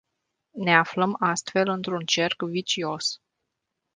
Ne aflăm astfel într-un cerc vicios.